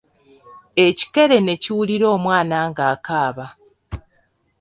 Ekikere ne kiwulira omwana ng'akaaba.